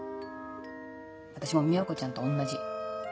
私も美和子ちゃんと同じ。